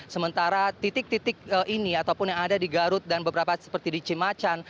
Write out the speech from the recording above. sementara titik titik ini ataupun yang ada di garut dan beberapa seperti di cimacan